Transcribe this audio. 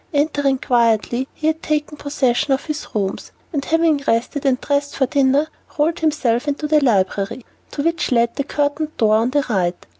Entering quietly, he had taken possession of his rooms, and having rested and dressed for dinner, rolled himself into the library, to which led the curtained door on the right.